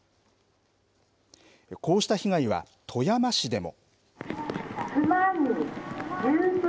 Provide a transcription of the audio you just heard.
こうした被害は富山市でも。